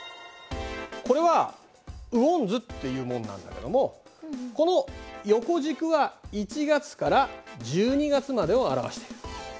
これは雨温図っていうものなんだけどもこの横軸は１月から１２月までを表している。